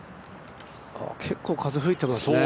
結構風、吹いてますね。